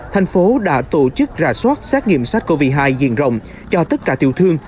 thành phố đã tổ chức rà soát xét nghiệm sát covid một mươi chín diện rộng cho tất cả tiểu thương